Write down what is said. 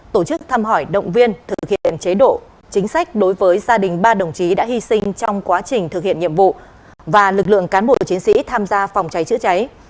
tổ chức thăm hỏi động viên thực hiện chế độ chính sách đối với gia đình ba đồng chí đã hy sinh trong quá trình thực hiện nhiệm vụ và lực lượng cán bộ chiến sĩ tham gia phòng cháy chữa cháy